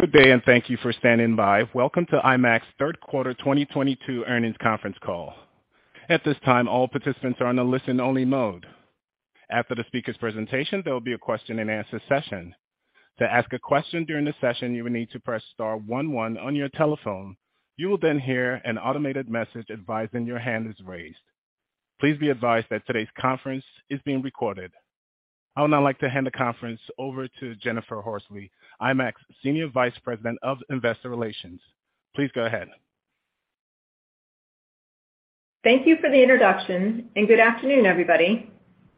Good day, and thank you for standing by. Welcome to IMAX third quarter 2022 earnings conference call. At this time, all participants are on a listen-only mode. After the speaker's presentation, there will be a question-and-answer session. To ask a question during the session, you will need to press star one one on your telephone. You will then hear an automated message advising that your hand is raised. Please be advised that today's conference is being recorded. I would now like to hand the conference over to Jennifer Horsley, IMAX Senior Vice President of Investor Relations. Please go ahead. Thank you for the introduction, and good afternoon, everybody.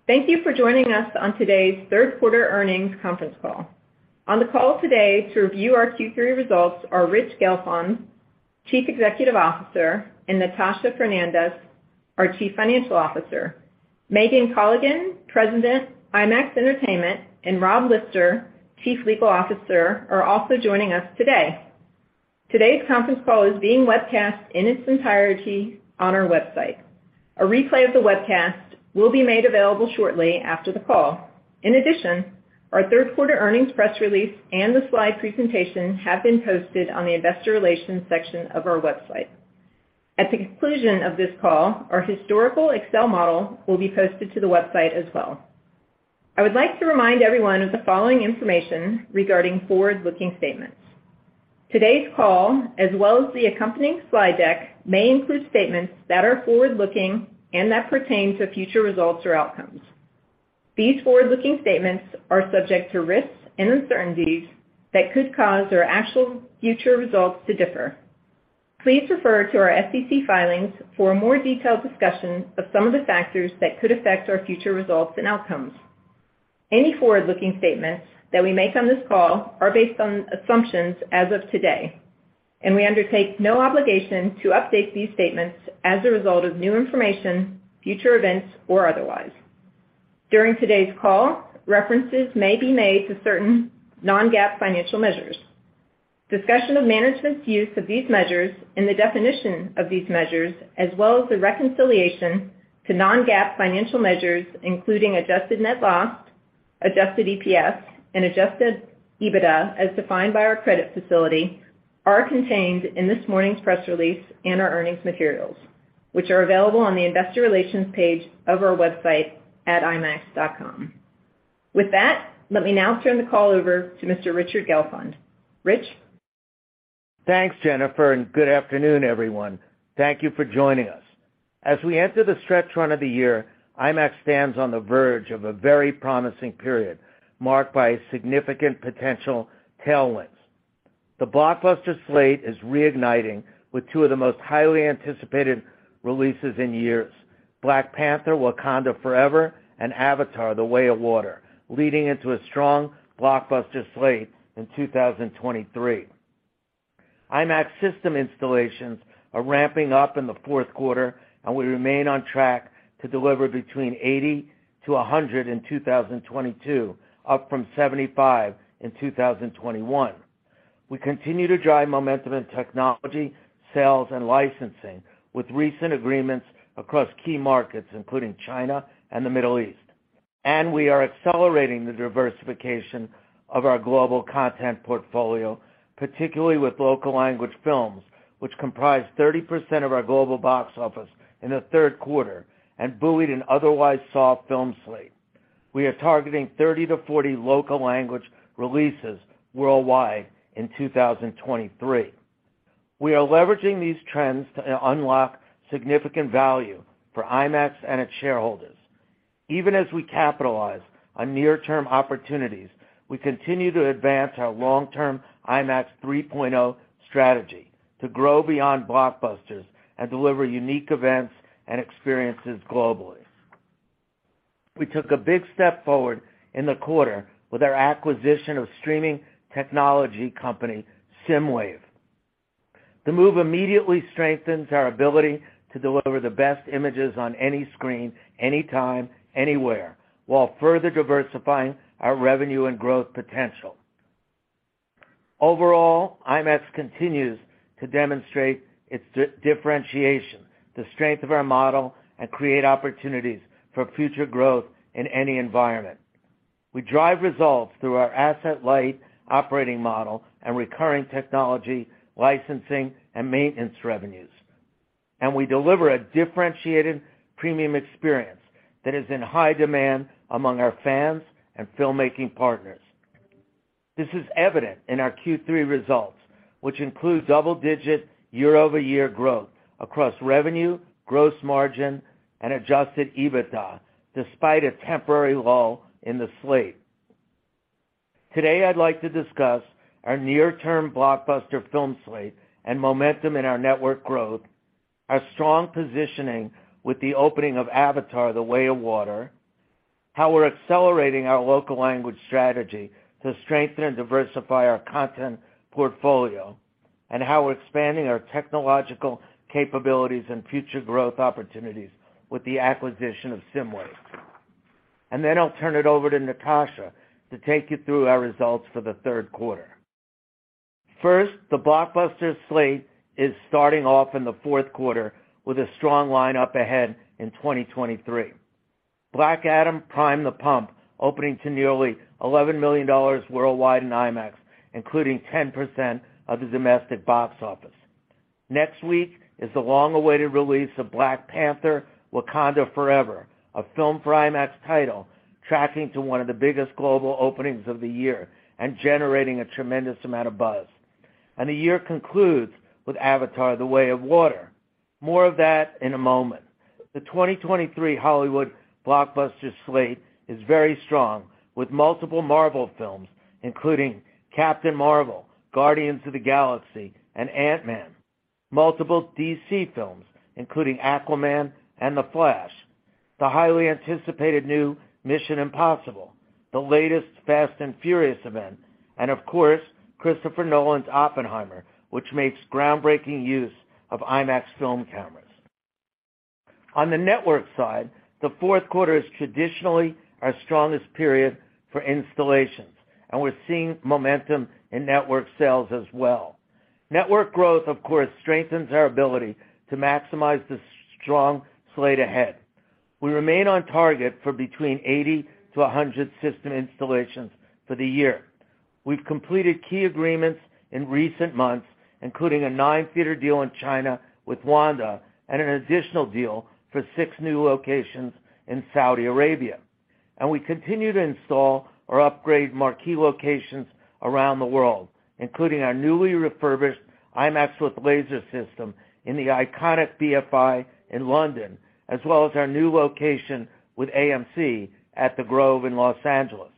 Thank you for joining us on today's third quarter earnings conference call. On the call today to review our Q3 results are Rich Gelfond, Chief Executive Officer, and Natasha Fernandes, our Chief Financial Officer. Megan Colligan, President, IMAX Entertainment, and Rob Lister, Chief Legal Officer, are also joining us today. Today's conference call is being webcast in its entirety on our website. A replay of the webcast will be made available shortly after the call. In addition, our third quarter earnings press release and the slide presentation have been posted on the investor relations section of our website. At the conclusion of this call, our historical Excel model will be posted to the website as well. I would like to remind everyone of the following information regarding forward-looking statements. Today's call, as well as the accompanying slide deck, may include statements that are forward-looking and that pertain to future results or outcomes. These forward-looking statements are subject to risks and uncertainties that could cause our actual future results to differ. Please refer to our SEC filings for a more detailed discussion of some of the factors that could affect our future results and outcomes. Any forward-looking statements that we make on this call are based on assumptions as of today, and we undertake no obligation to update these statements as a result of new information, future events, or otherwise. During today's call, references may be made to certain non-GAAP financial measures. Discussion of management's use of these measures and the definition of these measures, as well as the reconciliation to non-GAAP financial measures, including adjusted net loss, adjusted EPS, and adjusted EBITDA as defined by our credit facility, are contained in this morning's press release and our earnings materials, which are available on the investor relations page of our website at imax.com. With that, let me now turn the call over to Mr. Richard Gelfond. Rich. Thanks, Jennifer, and good afternoon, everyone. Thank you for joining us. As we enter the stretch run of the year, IMAX stands on the verge of a very promising period marked by significant potential tailwinds. The blockbuster slate is reigniting with two of the most highly anticipated releases in years, Black Panther, Wakanda Forever and Avatar:The Way of Water, leading into a strong blockbuster slate in 2023. IMAX system installations are ramping up in the fourth quarter, and we remain on track to deliver between 80-100 in 2022, up from 75 in 2021. We continue to drive momentum in technology, sales, and licensing with recent agreements across key markets, including China and the Middle East. We are accelerating the diversification of our global content portfolio, particularly with local language films, which comprise 30% of our global box office in the third quarter and buoyed an otherwise soft film slate. We are targeting 30-40 local language releases worldwide in 2023. We are leveraging these trends to unlock significant value for IMAX and its shareholders. Even as we capitalize on near-term opportunities, we continue to advance our long-term IMAX 3.0 strategy to grow beyond blockbusters and deliver unique events and experiences globally. We took a big step forward in the quarter with our acquisition of streaming technology company SSIMWAVE. The move immediately strengthens our ability to deliver the best images on any screen, anytime, anywhere, while further diversifying our revenue and growth potential. Overall, IMAX continues to demonstrate its differentiation, the strength of our model, and create opportunities for future growth in any environment. We drive results through our asset-light operating model and recurring technology, licensing, and maintenance revenues, and we deliver a differentiated premium experience that is in high demand among our fans and filmmaking partners. This is evident in our Q3 results, which include double-digit year-over-year growth across revenue, gross margin, and adjusted EBITDA, despite a temporary lull in the slate. Today, I'd like to discuss our near-term blockbuster film slate and momentum in our network growth, our strong positioning with the opening of Avatar: The Way of Water, how we're accelerating our local language strategy to strengthen and diversify our content portfolio, and how we're expanding our technological capabilities and future growth opportunities with the acquisition of SSIMWAVE. I'll turn it over to Natasha to take you through our results for the third quarter. First, the blockbuster slate is starting off in the fourth quarter with a strong lineup ahead in 2023. Black Adam primed the pump, opening to nearly $11 million worldwide in IMAX, including 10% of the domestic box office. Next week is the long-awaited release of Black Panther: Wakanda Forever, a Filmed for IMAX title, tracking to one of the biggest global openings of the year and generating a tremendous amount of buzz. The year concludes with Avatar: The Way of Water. More of that in a moment. The 2023 Hollywood blockbuster slate is very strong, with multiple Marvel films, including Captain Marvel, Guardians of the Galaxy, and Ant-Man, multiple DC films, including Aquaman and The Flash, the highly anticipated new Mission: Impossible, the latest Fast & Furious event, and of course, Christopher Nolan's Oppenheimer, which makes groundbreaking use of IMAX film cameras. On the network side, the fourth quarter is traditionally our strongest period for installations, and we're seeing momentum in network sales as well. Network growth, of course, strengthens our ability to maximize the strong slate ahead. We remain on target for between 80-100 system installations for the year. We've completed key agreements in recent months, including a 9-theater deal in China with Wanda and an additional deal for 6 new locations in Saudi Arabia. We continue to install or upgrade marquee locations around the world, including our newly refurbished IMAX with Laser system in the iconic BFI in London, as well as our new location with AMC at The Grove in Los Angeles.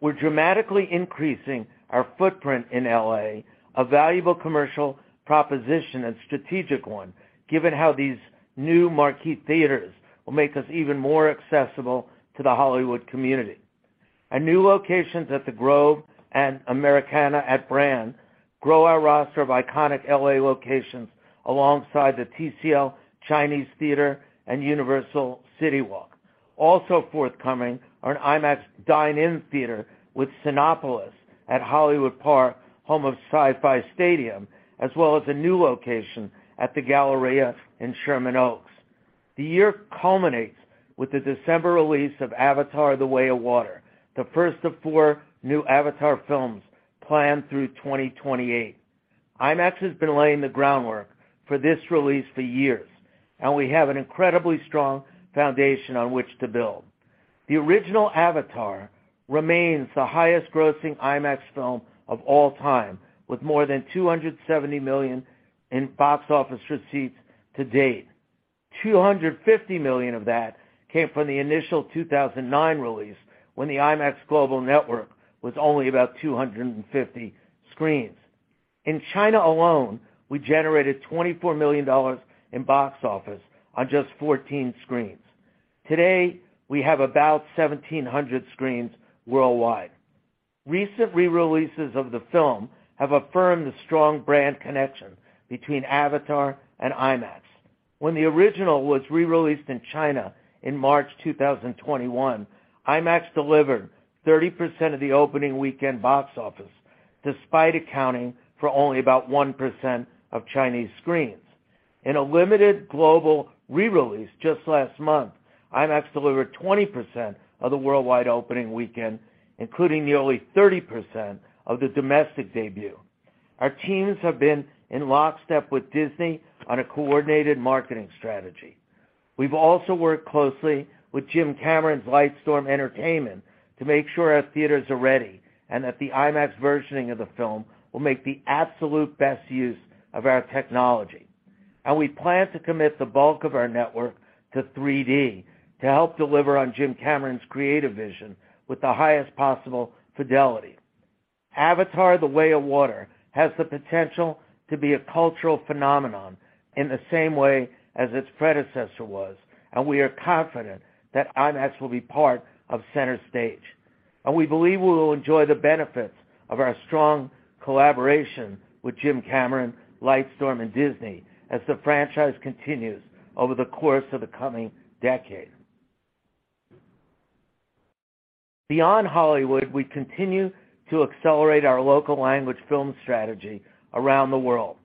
We're dramatically increasing our footprint in L.A, a valuable commercial proposition and strategic one, given how these new marquee theaters will make us even more accessible to the Hollywood community. Our new locations at The Grove and Americana at Brand grow our roster of iconic L.A. locations alongside the TCL Chinese Theatre and Universal City Walk. Also forthcoming are an IMAX Dine-in Theater with Cinépolis at Hollywood Park, home of SoFi Stadium, as well as a new location at The Galleria in Sherman Oaks. The year culminates with the December release of Avatar: The Way of Water, the first of four new Avatar films planned through 2028. IMAX has been laying the groundwork for this release for years, and we have an incredibly strong foundation on which to build. The original Avatar remains the highest-grossing IMAX film of all time, with more than $270 million in box office receipts to date. $250 million of that came from the initial 2009 release when the IMAX global network was only about 250 screens. In China alone, we generated $24 million in box office on just 14 screens. Today, we have about 1,700 screens worldwide. Recent rereleases of the film have affirmed the strong brand connection between Avatar and IMAX. When the original was rereleased in China in March 2021, IMAX delivered 30% of the opening weekend box office, despite accounting for only about 1% of Chinese screens. In a limited global rerelease just last month, IMAX delivered 20% of the worldwide opening weekend, including nearly 30% of the domestic debut. Our teams have been in lockstep with Disney on a coordinated marketing strategy. We've also worked closely with Jim Cameron's Lightstorm Entertainment to make sure our theaters are ready and that the IMAX versioning of the film will make the absolute best use of our technology. We plan to commit the bulk of our network to 3D to help deliver on Jim Cameron's creative vision with the highest possible fidelity. Avatar: The Way of Water has the potential to be a cultural phenomenon in the same way as its predecessor was, and we are confident that IMAX will be part of center stage. We believe we will enjoy the benefits of our strong collaboration with Jim Cameron, Lightstorm, and Disney as the franchise continues over the course of the coming decade. Beyond Hollywood, we continue to accelerate our local language film strategy around the world.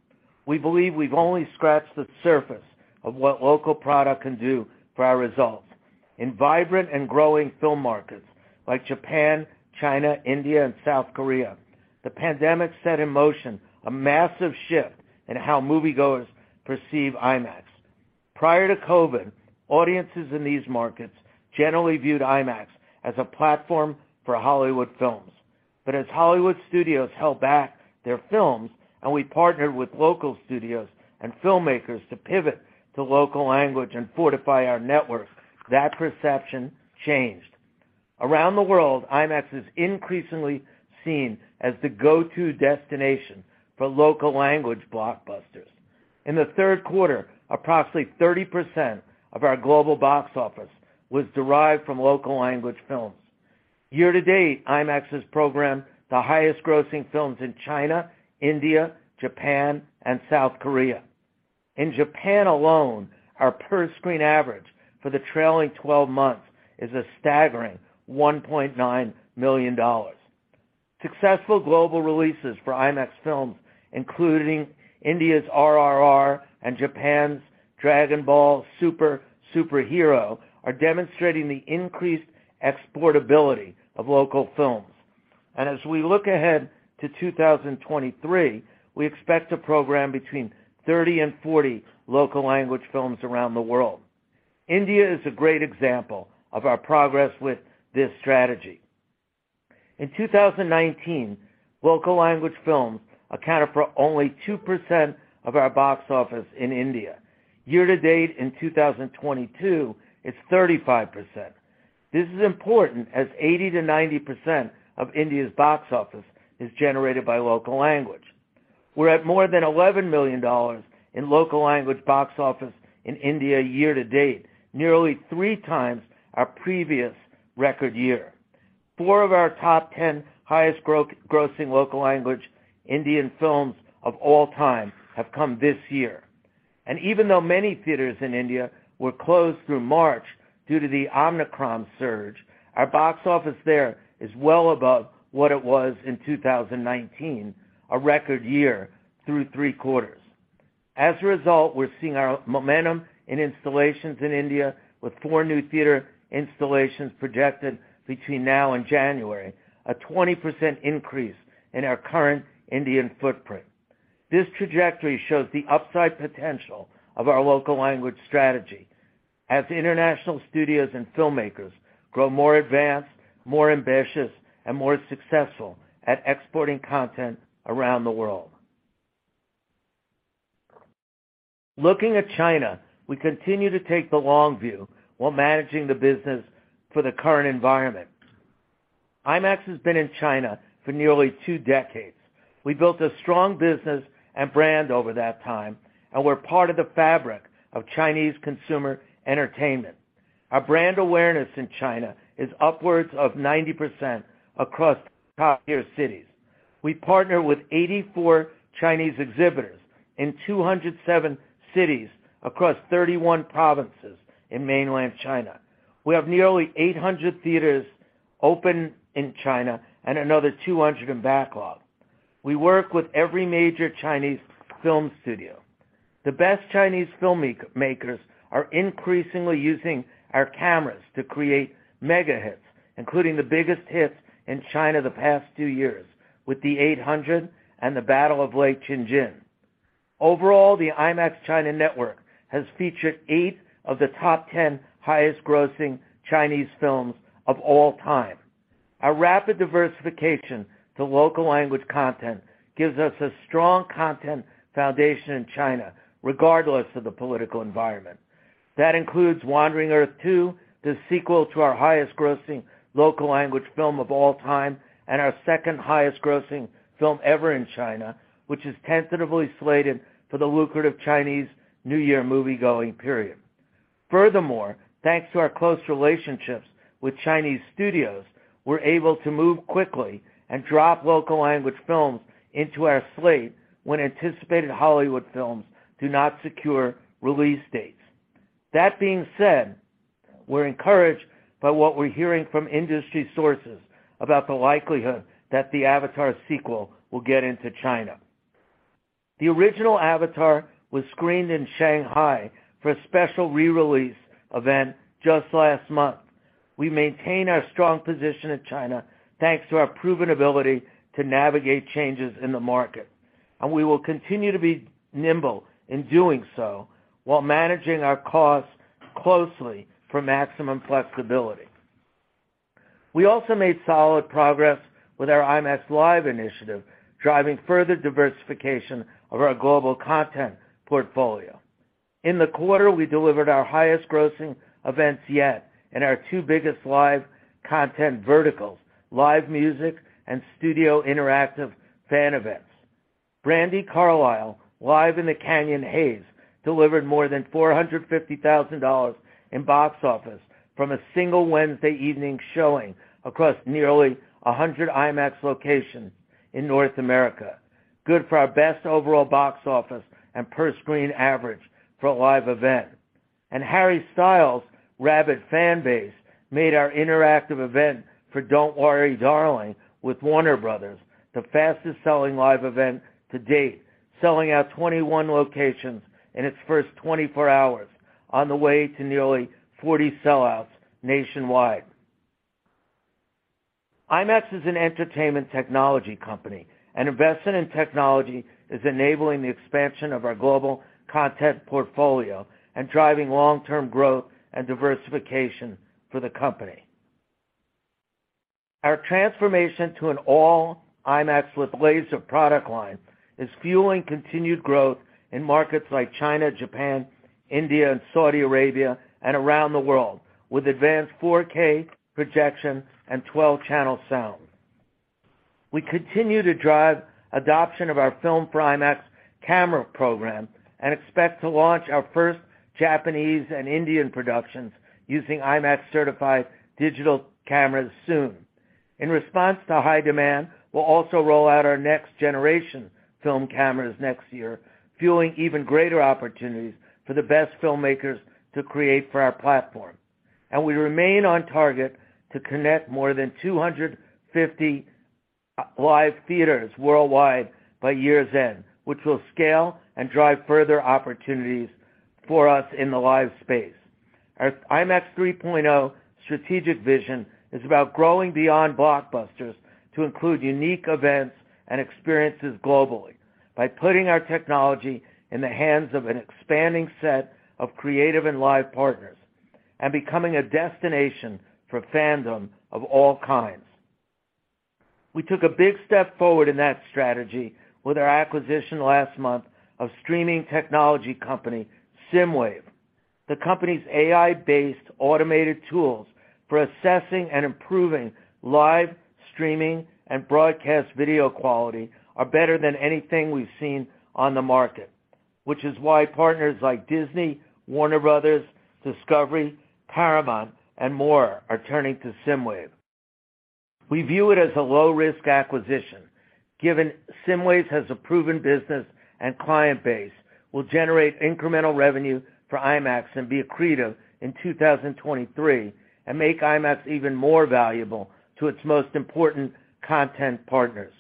We believe we've only scratched the surface of what local product can do for our results. In vibrant and growing film markets like Japan, China, India, and South Korea, the pandemic set in motion a massive shift in how moviegoers perceive IMAX. Prior to COVID, audiences in these markets generally viewed IMAX as a platform for Hollywood films. Hollywood studios held back their films and we partnered with local studios and filmmakers to pivot to local language and fortify our networks, that perception changed. Around the world, IMAX is increasingly seen as the go-to destination for local language blockbusters. In the third quarter, approximately 30% of our global box office was derived from local language films. Year-to-date, IMAX has programmed the highest grossing films in China, India, Japan, and South Korea. In Japan alone, our per-screen average for the trailing twelve months is a staggering $1.9 million. Successful global releases for IMAX films, including India's RRR and Japan's Dragon Ball Super: Super Hero, are demonstrating the increased exportability of local films. As we look ahead to 2023, we expect to program between 30 and 40 local language films around the world. India is a great example of our progress with this strategy. In 2019, local language films accounted for only 2% of our box office in India. Year-to-date in 2022, it's 35%. This is important as 80%-90% of India's box office is generated by local language. We're at more than $11 million in local language box office in India year-to-date, nearly three times our previous record year. 4 of our top 10 highest-grossing local language Indian films of all time have come this year. Even though many theaters in India were closed through March due to the Omicron surge, our box office there is well above what it was in 2019, a record year through three quarters. As a result, we're seeing our momentum in installations in India with 4 new theater installations projected between now and January, a 20% increase in our current Indian footprint. This trajectory shows the upside potential of our local language strategy as international studios and filmmakers grow more advanced, more ambitious, and more successful at exporting content around the world. Looking at China, we continue to take the long view while managing the business for the current environment. IMAX has been in China for nearly two decades. We built a strong business and brand over that time, and we're part of the fabric of Chinese consumer entertainment. Our brand awareness in China is upwards of 90% across top-tier cities. We partner with 84 Chinese exhibitors in 207 cities across 31 provinces in mainland China. We have nearly 800 theaters open in China and another 200 in backlog. We work with every major Chinese film studio. The best Chinese film makers are increasingly using our cameras to create mega hits, including the biggest hits in China the past two years with The Eight Hundred and The Battle at Lake Changjin. Overall, the IMAX China Network has featured eight of the top 10 highest grossing Chinese films of all time. Our rapid diversification to local language content gives us a strong content foundation in China, regardless of the political environment. That includes The Wandering Earth 2, the sequel to our highest grossing local language film of all time and our second-highest grossing film ever in China, which is tentatively slated for the lucrative Chinese New Year moviegoing period. Furthermore, thanks to our close relationships with Chinese studios, we're able to move quickly and drop local language films into our slate when anticipated Hollywood films do not secure release dates. That being said, we're encouraged by what we're hearing from industry sources about the likelihood that the Avatar sequel will get into China. The original Avatar was screened in Shanghai for a special re-release event just last month. We maintain our strong position in China, thanks to our proven ability to navigate changes in the market, and we will continue to be nimble in doing so while managing our costs closely for maximum flexibility. We also made solid progress with our IMAX LIVE initiative, driving further diversification of our global content portfolio. In the quarter, we delivered our highest grossing events yet in our two biggest live content verticals, live music and studio interactive fan events. Brandi Carlile: In The Canyon Haze - Live from Laurel Canyon delivered more than $450,000 in box office from a single Wednesday evening showing across nearly 100 IMAX locations in North America. Good for our best overall box office and per-screen average for a live event. Harry Styles' rabid fan base made our interactive event for Don't Worry Darling with Warner Bros. the fastest-selling live event to date, selling out 21 locations in its first 24 hours on the way to nearly 40 sellouts nationwide. IMAX is an entertainment technology company, and investment in technology is enabling the expansion of our global content portfolio and driving long-term growth and diversification for the company. Our transformation to an all-IMAX with Laser product line is fueling continued growth in markets like China, Japan, India, and Saudi Arabia, and around the world with advanced 4K projection and 12-channel sound. We continue to drive adoption of our Filmed For IMAX camera program and expect to launch our first Japanese and Indian productions using IMAX-certified digital cameras soon. In response to high demand, we'll also roll out our next-generation film cameras next year, fueling even greater opportunities for the best filmmakers to create for our platform. We remain on target to connect more than 250 live theaters worldwide by year's end, which will scale and drive further opportunities for us in the live space. Our IMAX 3.0 strategic vision is about growing beyond blockbusters to include unique events and experiences globally by putting our technology in the hands of an expanding set of creative and live partners and becoming a destination for fandom of all kinds. We took a big step forward in that strategy with our acquisition last month of streaming technology company, SSIMWAVE. The company's AI-based automated tools for assessing and improving live streaming and broadcast video quality are better than anything we've seen on the market, which is why partners like Disney, Warner Bros. Discovery, Paramount, and more are turning to SSIMWAVE. We view it as a low-risk acquisition, given SSIMWAVE has a proven business and client base, will generate incremental revenue for IMAX and be accretive in 2023, and make IMAX even more valuable to its most important content partners.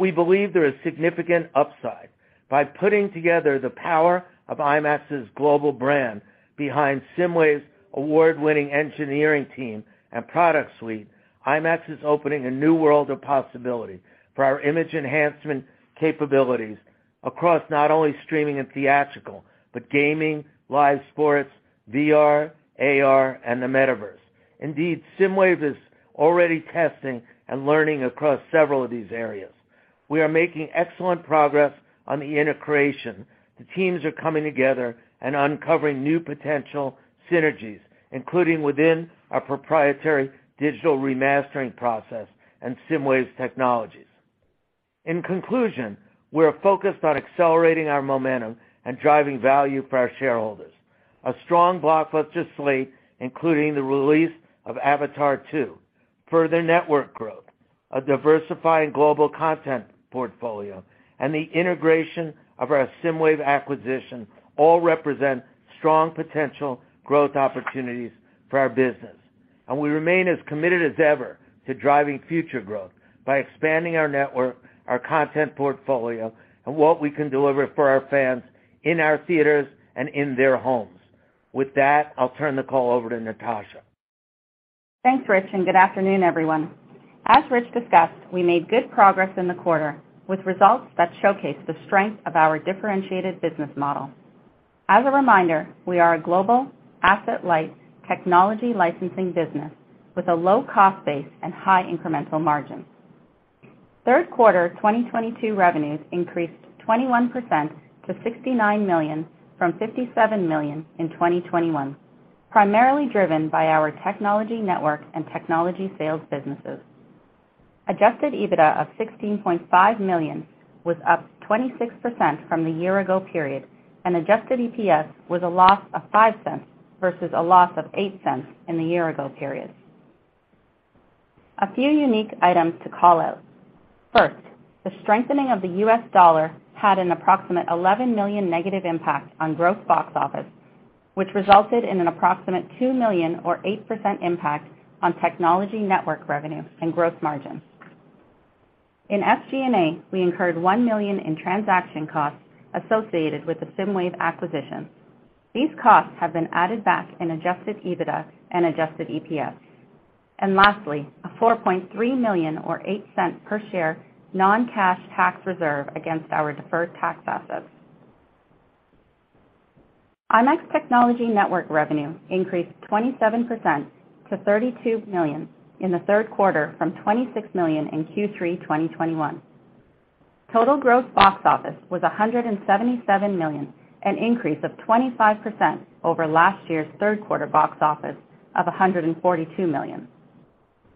We believe there is significant upside. By putting together the power of IMAX's global brand behind SSIMWAVE's award-winning engineering team and product suite, IMAX is opening a new world of possibility for our image enhancement capabilities across not only streaming and theatrical, but gaming, live sports, VR, AR, and the metaverse. Indeed, SSIMWAVE is already testing and learning across several of these areas. We are making excellent progress on the integration. The teams are coming together and uncovering new potential synergies, including within our proprietary digital remastering process and SSIMWAVE's technologies. In conclusion, we are focused on accelerating our momentum and driving value for our shareholders. A strong blockbuster slate, including the release of Avatar two, further network growth, a diversifying global content portfolio, and the integration of our SSIMWAVE acquisition all represent strong potential growth opportunities for our business. We remain as committed as ever to driving future growth by expanding our network, our content portfolio, and what we can deliver for our fans in our theaters and in their homes. With that, I'll turn the call over to Natasha Fernandez. Thanks, Rich, and good afternoon, everyone. As Rich discussed, we made good progress in the quarter, with results that showcase the strength of our differentiated business model. As a reminder, we are a global asset-light technology licensing business with a low cost base and high incremental margins. Third quarter 2022 revenues increased 21% to $69 million from $57 million in 2021, primarily driven by our technology network and technology sales businesses. Adjusted EBITDA of $16.5 million was up 26% from the year ago period, and adjusted EPS was a loss of $0.05 versus a loss of $0.08 in the year ago period. A few unique items to call out. First, the strengthening of the U.S. dollar had an approximate $11 million negative impact on gross box office, which resulted in an approximate $2 million or 8% impact on technology network revenue and gross margins. In SG&A, we incurred $1 million in transaction costs associated with the SSIMWAVE acquisition. These costs have been added back in adjusted EBITDA and adjusted EPS. Lastly, a $4.3 million or $0.08 per share non-cash tax reserve against our deferred tax assets. IMAX technology network revenue increased 27% to $32 million in the third quarter from $26 million in Q3 2021. Total gross box office was $177 million, an increase of 25% over last year's third quarter box office of $142 million.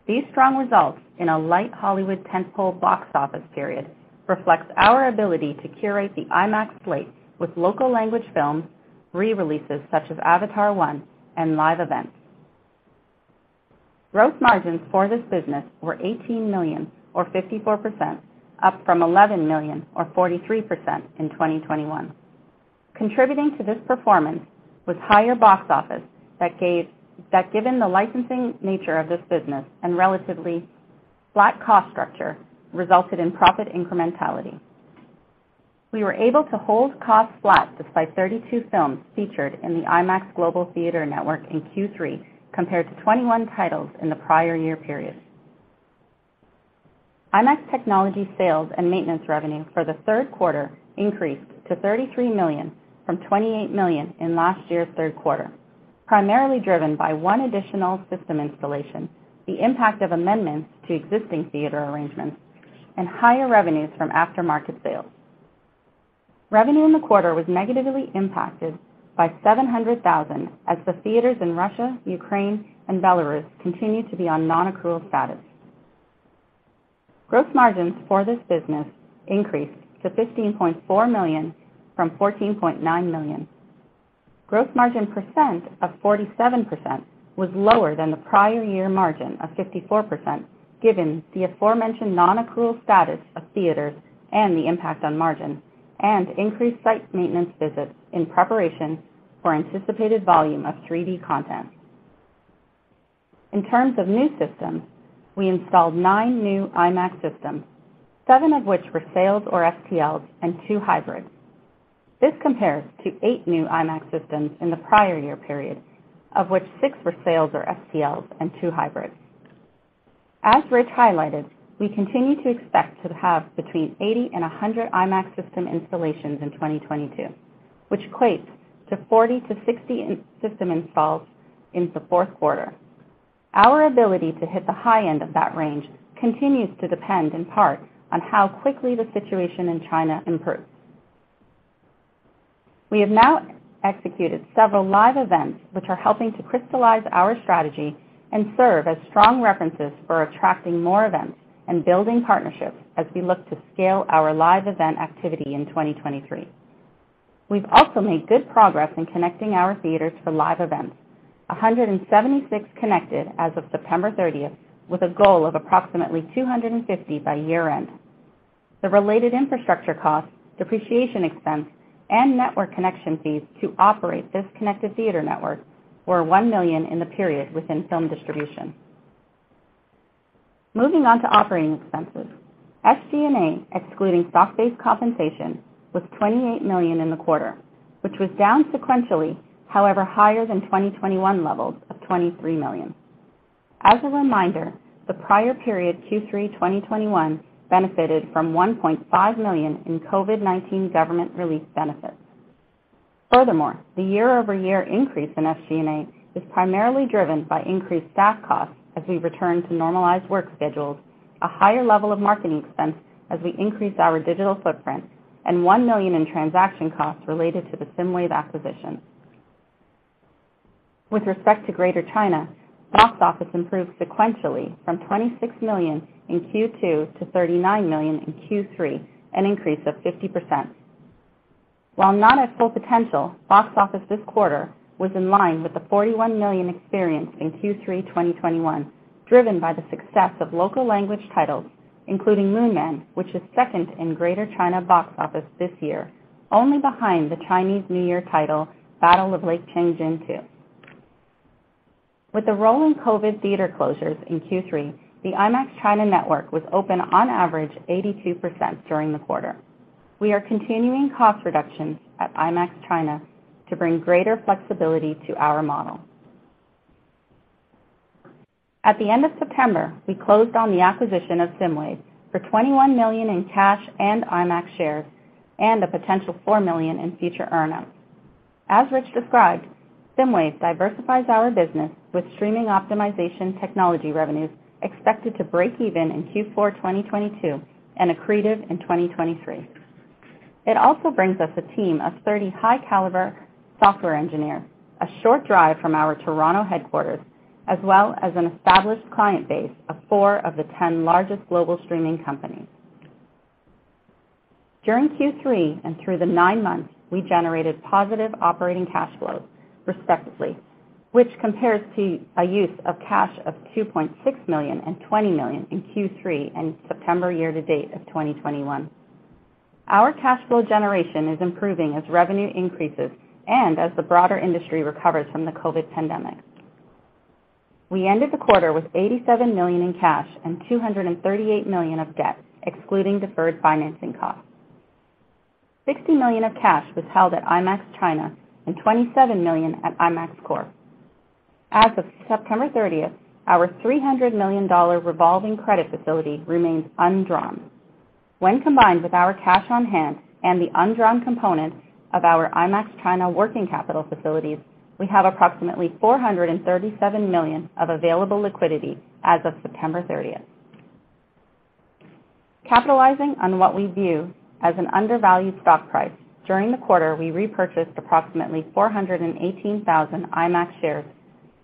These strong results in a light Hollywood tentpole box office period reflects our ability to curate the IMAX slate with local language films, rereleases such as Avatar 1, and live events. Gross margins for this business were $18 million or 54%, up from $11 million or 43% in 2021. Contributing to this performance was higher box office that given the licensing nature of this business and relatively flat cost structure, resulted in profit incrementality. We were able to hold costs flat despite 32 films featured in the IMAX global theater network in Q3, compared to 21 titles in the prior year period. IMAX technology sales and maintenance revenue for the third quarter increased to $33 million from $28 million in last year's third quarter, primarily driven by 1 additional system installation, the impact of amendments to existing theater arrangements, and higher revenues from aftermarket sales. Revenue in the quarter was negatively impacted by $700,000 as the theaters in Russia, Ukraine, and Belarus continue to be on non-accrual status. Gross margins for this business increased to $15.4 million from $14.9 million. Gross margin percent of 47% was lower than the prior year margin of 54%, given the aforementioned non-accrual status of theaters and the impact on margin, and increased site maintenance visits in preparation for anticipated volume of 3D content. In terms of new systems, we installed 9 new IMAX systems, 7 of which were sales or FTLs and 2 hybrids. This compares to 8 new IMAX systems in the prior year period, of which 6 were sales or FTLs and 2 hybrids. As Rich highlighted, we continue to expect to have between 80 and 100 IMAX system installations in 2022, which equates to 40-60 in-system installs into fourth quarter. Our ability to hit the high end of that range continues to depend in part on how quickly the situation in China improves. We have now executed several live events which are helping to crystallize our strategy and serve as strong references for attracting more events and building partnerships as we look to scale our live event activity in 2023. We've also made good progress in connecting our theaters to live events. 176 connected as of September 30th, with a goal of approximately 250 by year-end. The related infrastructure costs, depreciation expense, and network connection fees to operate this connected theater network were $1 million in the period within film distribution. Moving on to operating expenses. SG&A, excluding stock-based compensation, was $28 million in the quarter, which was down sequentially, however higher than 2021 levels of $23 million. As a reminder, the prior period Q3 2021 benefited from $1.5 million in COVID-19 government relief benefits. Furthermore, the year-over-year increase in SG&A is primarily driven by increased staff costs as we return to normalized work schedules, a higher level of marketing expense as we increase our digital footprint, and $1 million in transaction costs related to the SSIMWAVE acquisition. With respect to Greater China, box office improved sequentially from $26 million in Q2 to $39 million in Q3, an increase of 50%. While not at full potential, box office this quarter was in line with the $41 million experienced in Q3 2021, driven by the success of local language titles, including Moon Man, which is second in Greater China box office this year, only behind the Chinese New Year title, The Battle at Lake Changjin II. With the rolling COVID theater closures in Q3, the IMAX China network was open on average 82% during the quarter. We are continuing cost reductions at IMAX China to bring greater flexibility to our model. At the end of September, we closed on the acquisition of SSIMWAVE for $21 million in cash and IMAX shares and a potential $4 million in future earnouts. As Rich described, SSIMWAVE diversifies our business with streaming optimization technology revenues expected to break even in Q4 2022 and accretive in 2023. It also brings us a team of 30 high caliber software engineers, a short drive from our Toronto headquarters, as well as an established client base of 4 of the 10 largest global streaming companies. During Q3 and through the 9 months, we generated positive operating cash flows, respectively, which compares to a use of cash of $2.6 million and $20 million in Q3 and September year-to-date of 2021. Our cash flow generation is improving as revenue increases and as the broader industry recovers from the COVID pandemic. We ended the quarter with $87 million in cash and $238 million of debt, excluding deferred financing costs. $60 million of cash was held at IMAX China and $27 million at IMAX Corp. As of September 30th, our $300 million revolving credit facility remains undrawn. When combined with our cash on hand and the undrawn components of our IMAX China working capital facilities, we have approximately $437 million of available liquidity as of September 30. Capitalizing on what we view as an undervalued stock price, during the quarter, we repurchased approximately 418,000 IMAX shares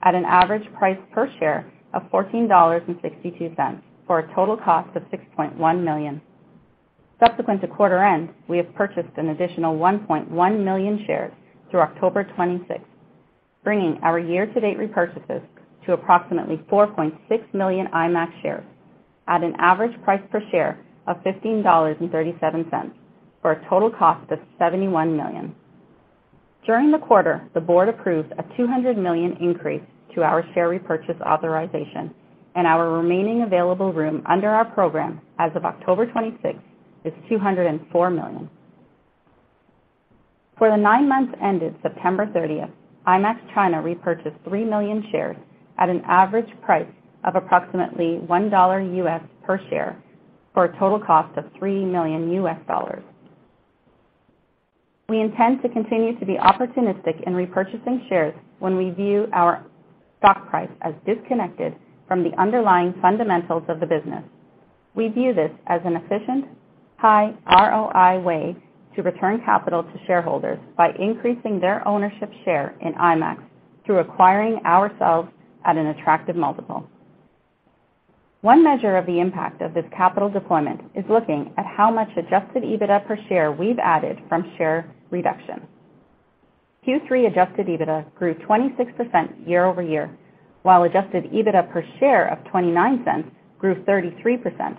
at an average price per share of $14.62, for a total cost of $6.1 million. Subsequent to quarter end, we have purchased an additional 1.1 million shares through October 26, bringing our year-to-date repurchases to approximately 4.6 million IMAX shares at an average price per share of $15.37, for a total cost of $71 million. During the quarter, the board approved a $200 million increase to our share repurchase authorization, and our remaining available room under our program as of October 26th is $204 million. For the nine months ended September 30th, IMAX China repurchased 3 million shares at an average price of approximately $1 per share for a total cost of $3 million. We intend to continue to be opportunistic in repurchasing shares when we view our stock price as disconnected from the underlying fundamentals of the business. We view this as an efficient, high ROI way to return capital to shareholders by increasing their ownership share in IMAX through acquiring ourselves at an attractive multiple. One measure of the impact of this capital deployment is looking at how much adjusted EBITDA per share we've added from share reduction. Q3 adjusted EBITDA grew 26% year-over-year, while adjusted EBITDA per share of $0.29 grew 33%.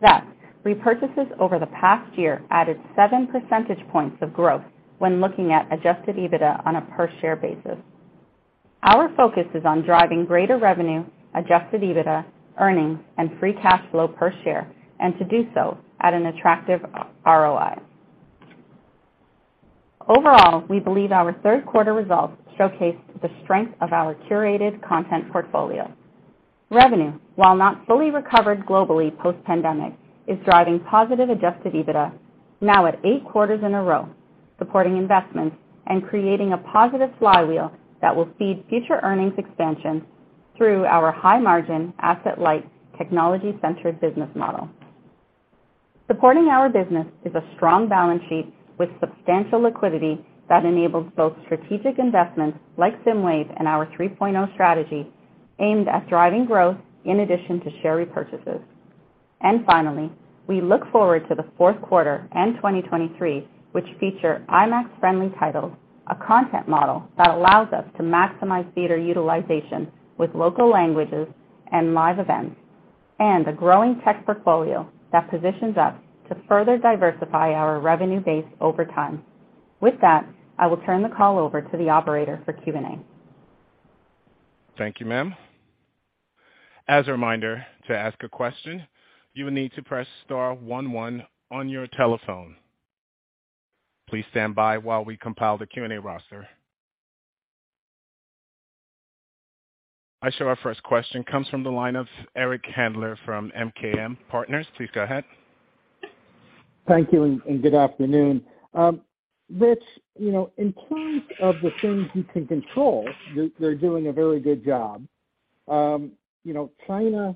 Thus, repurchases over the past year added 7 percentage points of growth when looking at adjusted EBITDA on a per share basis. Our focus is on driving greater revenue, adjusted EBITDA, earnings, and free cash flow per share, and to do so at an attractive ROI. Overall, we believe our third quarter results showcased the strength of our curated content portfolio. Revenue, while not fully recovered globally post-pandemic, is driving positive adjusted EBITDA now at 8 quarters in a row, supporting investments and creating a positive flywheel that will feed future earnings expansion through our high-margin, asset-light, technology-centered business model. Supporting our business is a strong balance sheet with substantial liquidity that enables both strategic investments like Cinewave and our 3.0 strategy aimed at driving growth in addition to share repurchases. Finally, we look forward to the fourth quarter and 2023, which feature IMAX-friendly titles, a content model that allows us to maximize theater utilization with local languages and live events, and a growing tech portfolio that positions us to further diversify our revenue base over time. With that, I will turn the call over to the operator for Q&A. Thank you, ma'am. As a reminder, to ask a question, you will need to press star one one on your telephone. Please stand by while we compile the Q&A roster. I show our first question comes from the line of Eric Handler from MKM Partners. Please go ahead. Thank you and good afternoon. Rich, you know, in terms of the things you can control, you're doing a very good job. You know, China,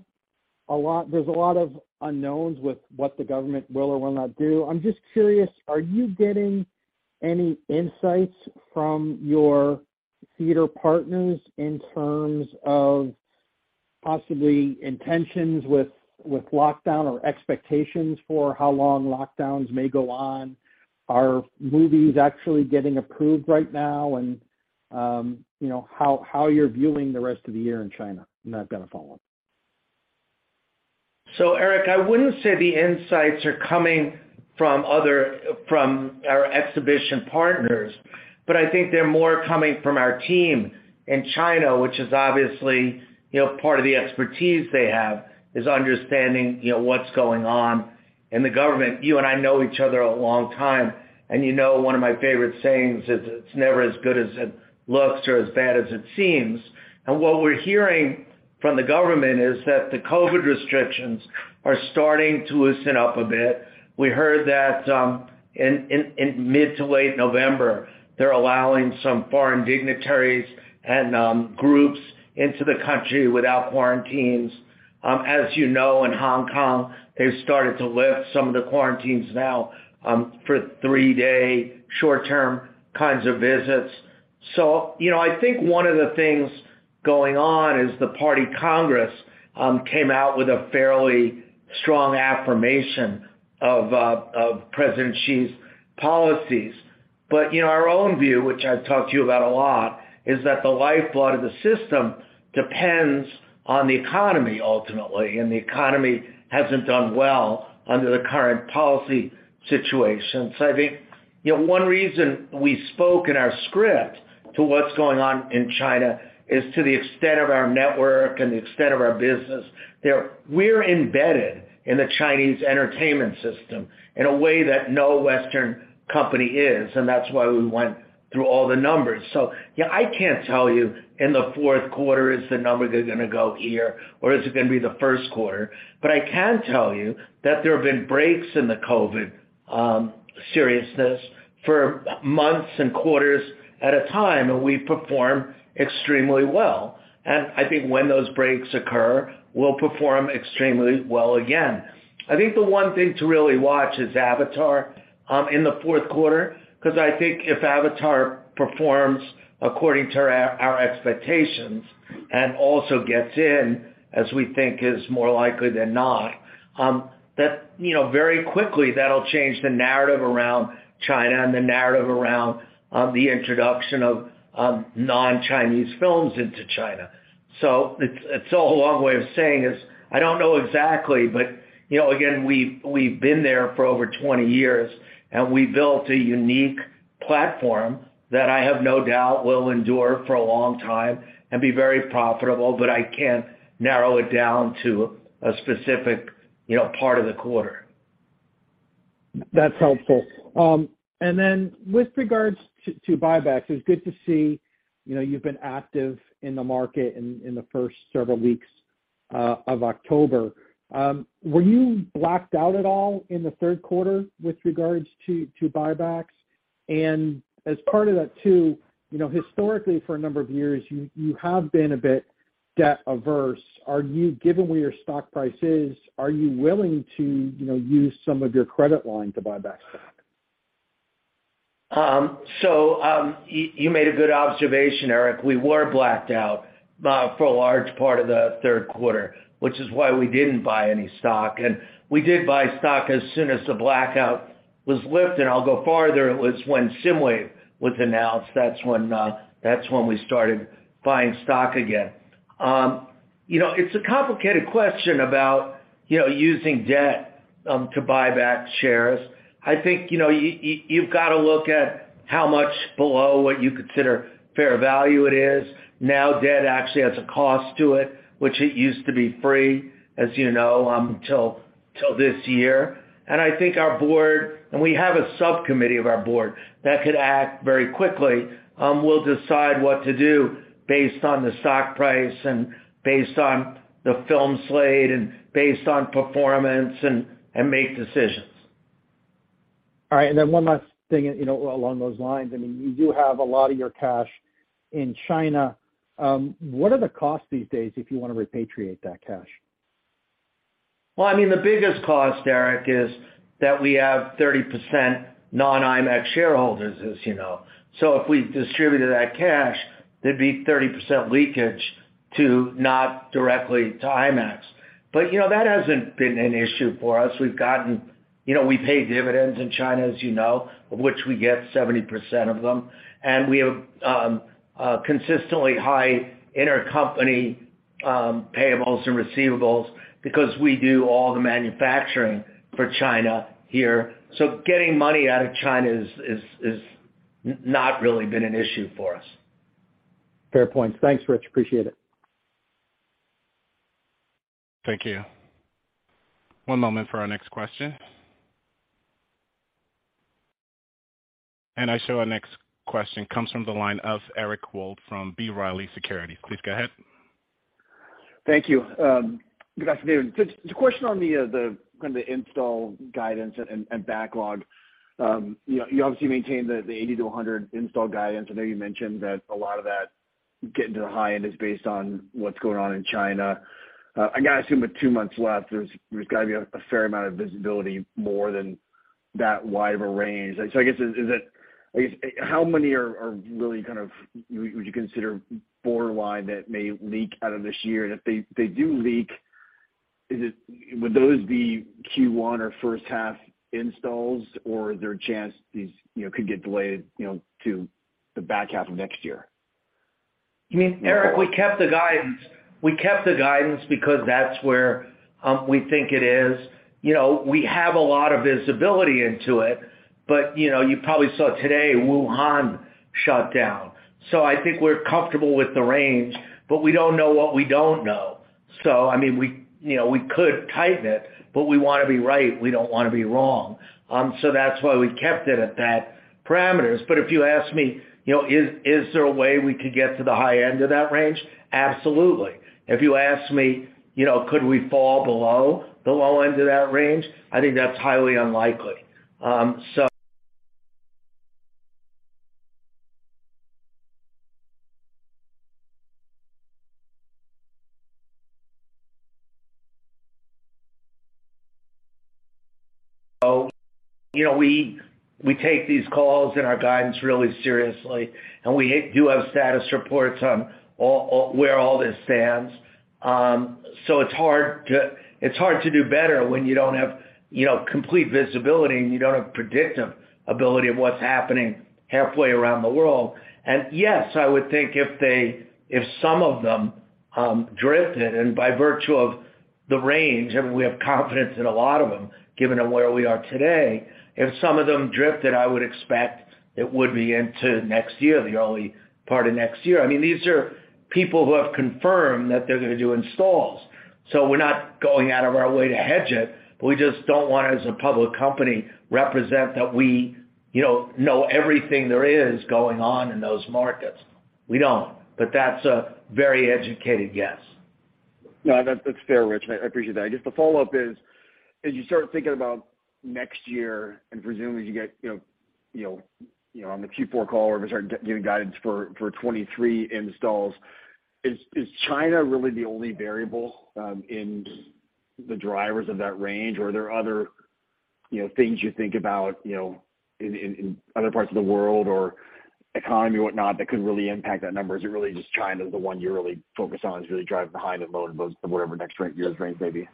there's a lot of unknowns with what the government will or will not do. I'm just curious, are you getting any insights from your theater partners in terms of possibly intentions with lockdown or expectations for how long lockdowns may go on? Are movies actually getting approved right now? And you know, how you're viewing the rest of the year in China. And I've got a follow-up. Eric, I wouldn't say the insights are coming from our exhibition partners, but I think they're more coming from our team in China, which is obviously, you know, part of the expertise they have, is understanding, you know, what's going on in the government. You and I know each other a long time, and you know one of my favorite sayings is, it's never as good as it looks or as bad as it seems. What we're hearing from the government is that the COVID restrictions are starting to loosen up a bit. We heard that in mid to late November, they're allowing some foreign dignitaries and groups into the country without quarantines. As you know, in Hong Kong, they've started to lift some of the quarantines now for three-day short-term kinds of visits. You know, I think one of the things going on is the Party Congress came out with a fairly strong affirmation of President Xi's policies. You know, our own view, which I've talked to you about a lot, is that the lifeblood of the system depends on the economy ultimately, and the economy hasn't done well under the current policy situation. I think, you know, one reason we spoke in our script to what's going on in China is to the extent of our network and the extent of our business there. We're embedded in the Chinese entertainment system in a way that no Western company is, and that's why we went through all the numbers. Yeah, I can't tell you in the fourth quarter is the number gonna go here or is it gonna be the first quarter. I can tell you that there have been breaks in the COVID seriousness for months and quarters at a time, and we perform extremely well. I think when those breaks occur, we'll perform extremely well again. I think the one thing to really watch is Avatar in the fourth quarter, cause I think if Avatar performs according to our expectations and also gets in as we think is more likely than not, you know, very quickly that'll change the narrative around China and the narrative around the introduction of non-Chinese films into China. It's all a long way of saying is, I don't know exactly, but, you know, again, we've been there for over 20 years, and we built a unique platform that I have no doubt will endure for a long time and be very profitable, but I can't narrow it down to a specific, you know, part of the quarter. That's helpful. With regards to buybacks, it's good to see, you know, you've been active in the market in the first several weeks of October. Were you blacked out at all in the third quarter with regards to buybacks? As part of that too, you know, historically, for a number of years, you have been a bit debt averse. Given where your stock price is, are you willing to, you know, use some of your credit line to buy back stock? You made a good observation, Eric. We were blacked out for a large part of the third quarter, which is why we didn't buy any stock. We did buy stock as soon as the blackout was lifted. I'll go farther, it was when SSIMWAVE was announced. That's when we started buying stock again. You know, it's a complicated question about, you know, using debt to buy back shares. I think, you know, you've gotta look at how much below what you consider fair value it is. Now, debt actually has a cost to it, which it used to be free, as you know, till this year. I think our board, and we have a subcommittee of our board that could act very quickly, will decide what to do based on the stock price and based on the film slate and based on performance and make decisions. All right. One last thing, you know, along those lines. I mean, you do have a lot of your cash in China. What are the costs these days if you wanna repatriate that cash? Well, I mean, the biggest cost, Eric, is that we have 30% non-IMAX shareholders, as you know. If we distributed that cash, there'd be 30% leakage to not directly to IMAX. You know, that hasn't been an issue for us. We've gotten. You know, we pay dividends in China, as you know, of which we get 70% of them. We have consistently high intercompany payables and receivables because we do all the manufacturing for China here. Getting money out of China is not really been an issue for us. Fair point. Thanks, Rich. Appreciate it. Thank you. One moment for our next question. I show our next question comes from the line of Eric Wold from B. Riley Securities. Please go ahead. Thank you. Good afternoon. Just a question on the kind of install guidance and backlog. You obviously maintained the 80-100 install guidance. I know you mentioned that a lot of that getting to the high end is based on what's going on in China. I gotta assume with two months left, there's gotta be a fair amount of visibility more than that wide of a range. So I guess. I guess, how many are really kind of would you consider borderline that may leak out of this year If they do leak, would those be Q1 or first half installs, or is there a chance these, you know, could get delayed, you know, to the back half of next year? I mean, Eric, we kept the guidance. We kept the guidance because that's where we think it is. You know, we have a lot of visibility into it, but you know, you probably saw today Wuhan shut down. I think we're comfortable with the range, but we don't know what we don't know. I mean, we, you know, we could tighten it, but we wanna be right, we don't wanna be wrong. That's why we kept it at that parameters. If you ask me, you know, is there a way we could get to the high end of that range? Absolutely. If you ask me, you know, could we fall below the low end of that range? I think that's highly unlikely. You know, we take these calls and our guidance really seriously, and we do have status reports on all where all this stands. It's hard to do better when you don't have you know, complete visibility, and you don't have predictive ability of what's happening halfway around the world. Yes, I would think if some of them drifted, and by virtue of the range, I mean, we have confidence in a lot of them, given where we are today. If some of them drifted, I would expect it would be into next year, the early part of next year. I mean, these are people who have confirmed that they're gonna do installs. We're not going out of our way to hedge it, but we just don't want, as a public company, represent that we, you know everything there is going on in those markets. We don't. That's a very educated guess. No, that's fair, Rich. I appreciate that. I guess the follow-up is, as you start thinking about next year and presumably you get, you know, on the Q4 call or if we start giving guidance for 2023 installs, is China really the only variable in the drivers of that range? Or are there other, you know, things you think about, you know, in other parts of the world or economy or whatnot that could really impact that number? Is it really just China is the one you really focus on, is really driving the low end, whatever next year's range may be?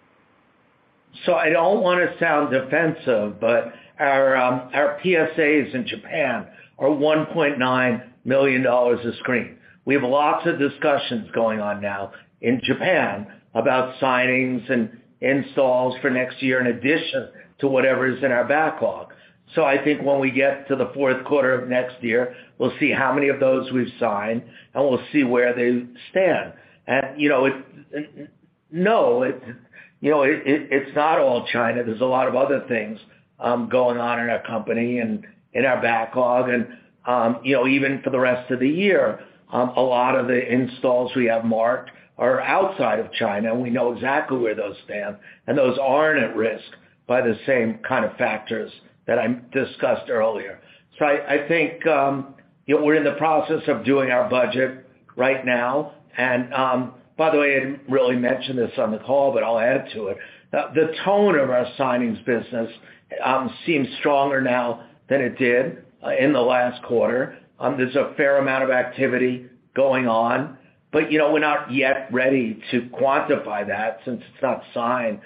I don't wanna sound defensive, but our PSAs in Japan are $1.9 million a screen. We have lots of discussions going on now in Japan about signings and installs for next year in addition to whatever is in our backlog. I think when we get to the fourth quarter of next year, we'll see how many of those we've signed, and we'll see where they stand. You know, it's not all China. There's a lot of other things going on in our company and in our backlog and, you know, even for the rest of the year. A lot of the installs we have marked are outside of China, and we know exactly where those stand, and those aren't at risk by the same kind of factors that I discussed earlier. You know, we're in the process of doing our budget right now. By the way, I didn't really mention this on the call, but I'll add to it. The tone of our signings business seems stronger now than it did in the last quarter. There's a fair amount of activity going on, but, you know, we're not yet ready to quantify that since it's not signed.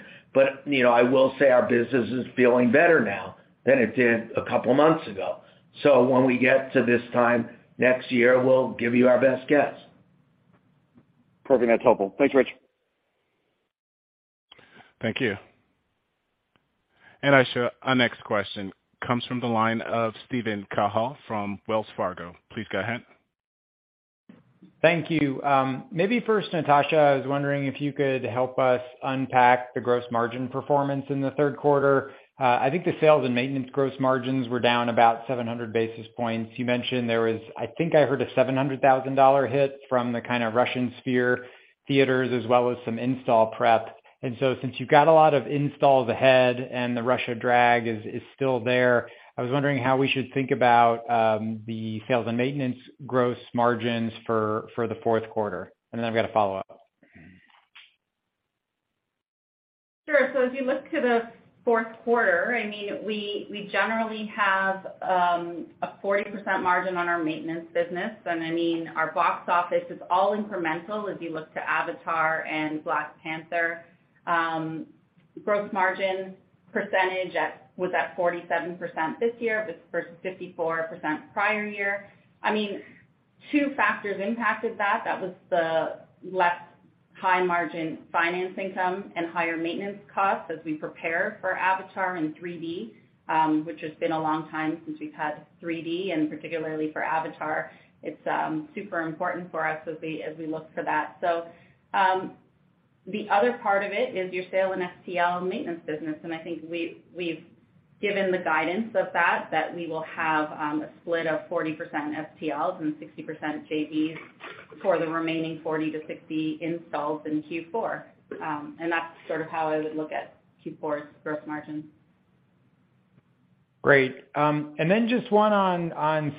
You know, I will say our business is feeling better now than it did a couple months ago. When we get to this time next year, we'll give you our best guess. Perfect. That's helpful. Thanks, Rich. Thank you. Our next question comes from the line of Steven Cahall from Wells Fargo. Please go ahead. Thank you. Maybe first, Natasha, I was wondering if you could help us unpack the gross margin performance in the third quarter. I think the sales and maintenance gross margins were down about 700 basis points. You mentioned there was, I think I heard a $700,000 hit from the kind of Russian sphere theaters, as well as some install prep. Since you've got a lot of installs ahead and the Russia drag is still there, I was wondering how we should think about the sales and maintenance gross margins for the fourth quarter. I've got a follow-up. Sure. As you look to the fourth quarter, we generally have a 40% margin on our maintenance business. Our box office is all incremental as you look to Avatar and Black Panther. Gross margin percentage was at 47% this year versus 54% prior year. Two factors impacted that. That was the less high margin finance income and higher maintenance costs as we prepare for Avatar in 3D, which has been a long time since we've had 3D, and particularly for Avatar. It's super important for us as we look for that. The other part of it is your sale in FTL maintenance business, and I think we've given the guidance of that we will have a split of 40% FTLs and 60% JVs for the remaining 40-60 installs in Q4. That's sort of how I would look at Q4's gross margin. Great. And then just one on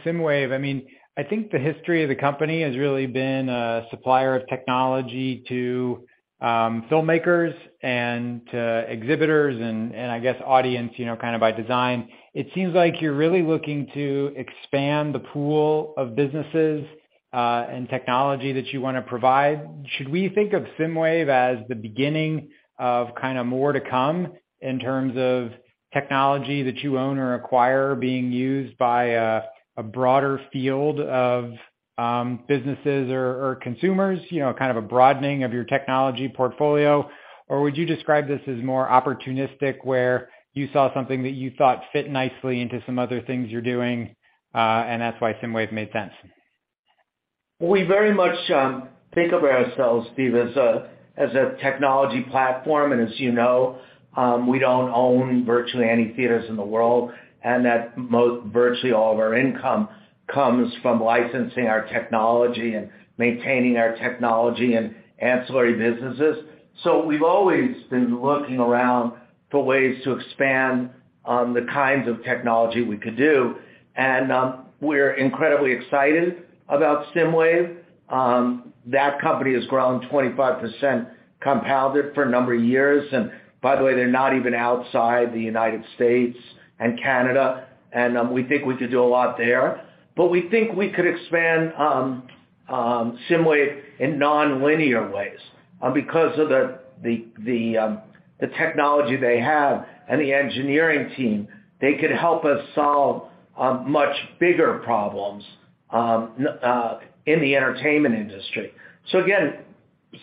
SSIMWAVE. I mean, I think the history of the company has really been a supplier of technology to filmmakers and to exhibitors and I guess audience, you know, kind of by design. It seems like you're really looking to expand the pool of businesses and technology that you wanna provide. Should we think of SSIMWAVE as the beginning of kind of more to come in terms of technology that you own or acquire being used by a broader field of businesses or consumers, you know, kind of a broadening of your technology portfolio? Or would you describe this as more opportunistic, where you saw something that you thought fit nicely into some other things you're doing and that's why SSIMWAVE made sense? We very much think of ourselves, Steve, as a technology platform. As you know, we don't own virtually any theaters in the world, and that virtually all of our income comes from licensing our technology and maintaining our technology and ancillary businesses. We've always been looking around for ways to expand the kinds of technology we could do. We're incredibly excited about SSIMWAVE. That company has grown 25% compounded for a number of years. By the way, they're not even outside the United States and Canada. We think we could do a lot there. We think we could expand SSIMWAVE in nonlinear ways, because of the technology they have and the engineering team. They could help us solve much bigger problems in the entertainment industry. Again,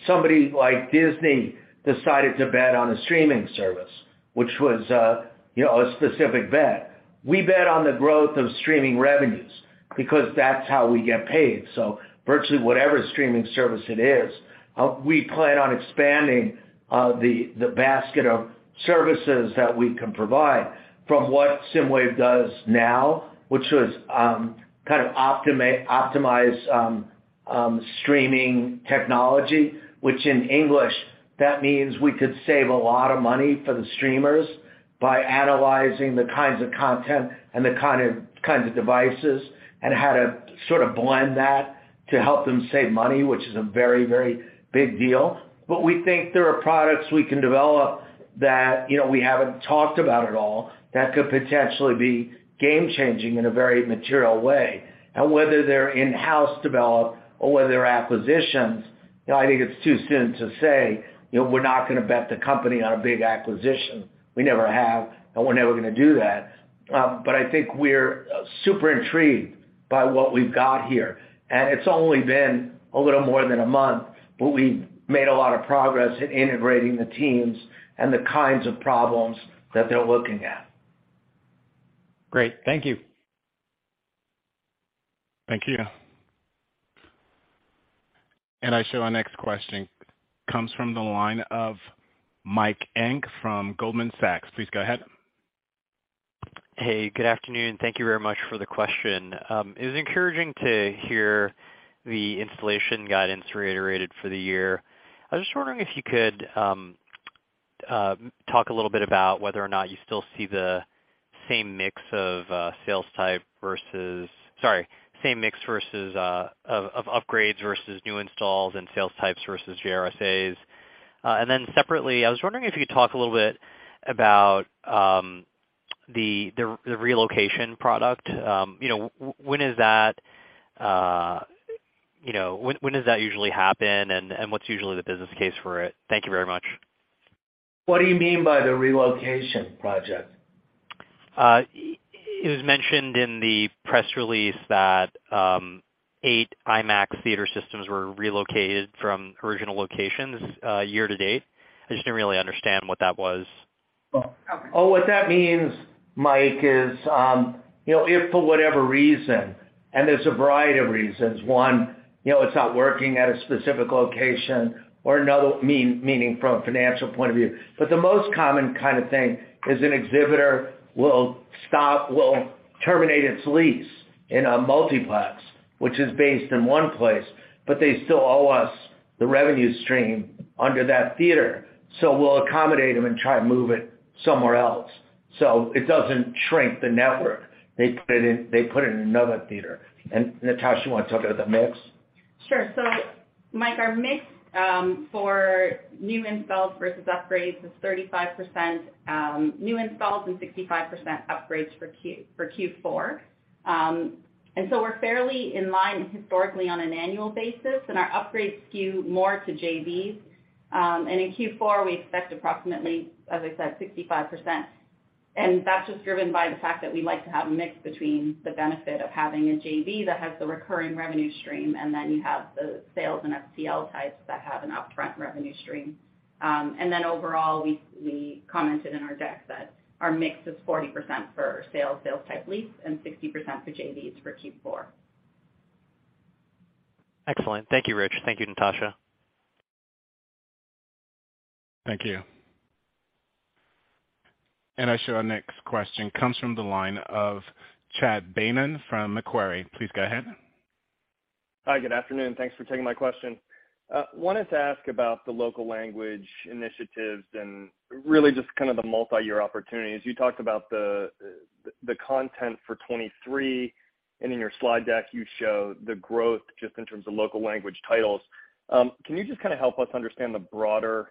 somebody like Disney decided to bet on a streaming service, which was, you know, a specific bet. We bet on the growth of streaming revenues because that's how we get paid. Virtually whatever streaming service it is, we plan on expanding the basket of services that we can provide from what SSIMWAVE does now, which was kind of optimize streaming technology, which in English, that means we could save a lot of money for the streamers by analyzing the kinds of content and the kinds of devices and how to sort of blend that to help them save money, which is a very, very big deal. We think there are products we can develop that, you know, we haven't talked about at all that could potentially be game changing in a very material way. Whether they're in-house developed or whether they're acquisitions, you know, I think it's too soon to say, you know, we're not gonna bet the company on a big acquisition. We never have, and we're never gonna do that. I think we're super intrigued by what we've got here, and it's only been a little more than a month, but we've made a lot of progress in integrating the teams and the kinds of problems that they're looking at. Great. Thank you. Thank you. Our next question comes from the line of Mike Ng from Goldman Sachs. Please go ahead. Hey, good afternoon. Thank you very much for the question. It was encouraging to hear the installation guidance reiterated for the year. I was just wondering if you could talk a little bit about whether or not you still see the same mix of sales type versus, sorry, same mix versus of upgrades versus new installs and sales types versus JRSAs. And then separately, I was wondering if you could talk a little bit about the relocation product. You know, when is that, you know, when does that usually happen, and what's usually the business case for it? Thank you very much. What do you mean by the relocation project? It was mentioned in the press release that, 8 IMAX theater systems were relocated from original locations, year to date. I just didn't really understand what that was. Oh, what that means, Mike, is, you know, if for whatever reason, and there's a variety of reasons, one, you know, it's not working at a specific location or another, meaning from a financial point of view. The most common kind of thing is an exhibitor will terminate its lease in a multiplex, which is based in one place, but they still owe us the revenue stream under that theater. We'll accommodate them and try to move it somewhere else. It doesn't shrink the network. They put it in another theater. Natasha, you wanna talk about the mix? Sure. Mike, our mix for new installs versus upgrades is 35% new installs and 65% upgrades for Q4. We're fairly in line historically on an annual basis, and our upgrades skew more to JVs. In Q4, we expect approximately, as I said, 65%. That's just driven by the fact that we like to have a mix between the benefit of having a JV that has the recurring revenue stream, and then you have the sales and FCL types that have an upfront revenue stream. Overall, we commented in our deck that our mix is 40% for sales-type lease, and 60% for JVs for Q4. Excellent. Thank you, Rich. Thank you, Natasha. Thank you. Our next question comes from the line of Chad Beynon from Macquarie. Please go ahead. Hi, good afternoon. Thanks for taking my question. Wanted to ask about the local language initiatives and really just kind of the multi-year opportunities. You talked about the content for 2023, and in your slide deck, you show the growth just in terms of local language titles. Can you just kinda help us understand the broader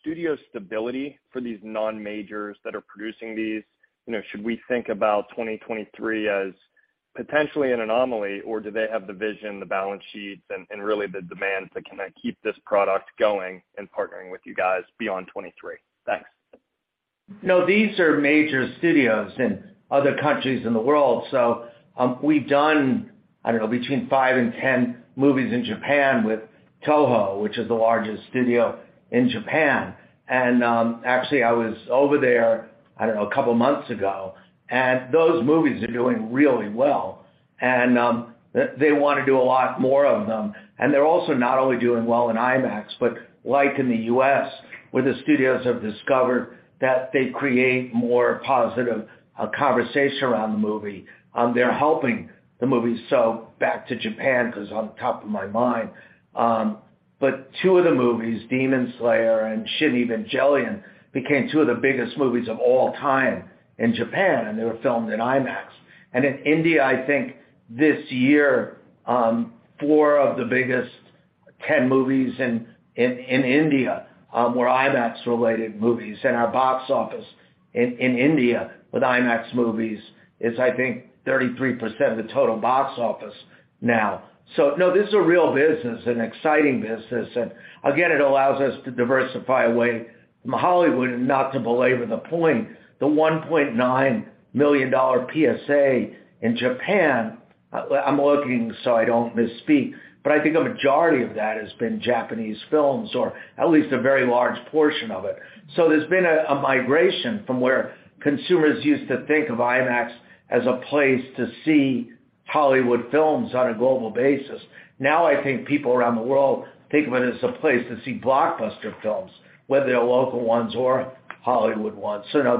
studio stability for these non-majors that are producing these? You know, should we think about 2023 as potentially an anomaly, or do they have the vision, the balance sheets and really the demand to kinda keep this product going and partnering with you guys beyond 2023? Thanks. No, these are major studios in other countries in the world. We've done, I don't know, between five and 10 movies in Japan with Toho, which is the largest studio in Japan. Actually, I was over there, I don't know, a couple months ago, and those movies are doing really well and they wanna do a lot more of them. They're also not only doing well in IMAX, but like in the U.S, where the studios have discovered that they create more positive conversation around the movie, they're helping the movie. Back to Japan, 'cause on top of my mind. Two of the movies, Demon Slayer and Shin Evangelion, became two of the biggest movies of all time in Japan, and they were filmed in IMAX. In India, I think this year, 4 of the biggest 10 movies in India were IMAX-related movies. Our box office in India with IMAX movies is, I think, 33% of the total box office now. No, this is a real business, an exciting business. It allows us to diversify away from Hollywood, and not to belabor the point, the $1.9 million PSA in Japan, I'm looking, so I don't misspeak, but I think a majority of that has been Japanese films, or at least a very large portion of it. There's been a migration from where consumers used to think of IMAX as a place to see Hollywood films on a global basis. Now, I think people around the world think of it as a place to see blockbuster films, whether they're local ones or Hollywood ones. No,